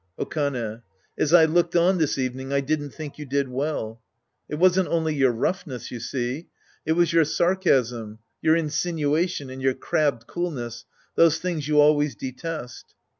Okane. As I looked on this evening, I didn't think you did well. It wasn't only your roughness, you see. It was your sarcasm, your insinuation and your crabbed coolness, those things you always detest.